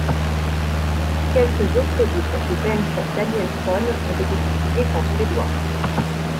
Quelques autres livres de Bengt Danielsson n’ont été publiés qu’en suédois.